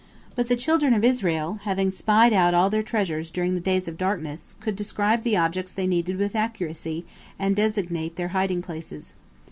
But the children of Israel, having spied out all their treasures during the days of darkness, could describe the objects they needed with accuracy, and designate their hiding places.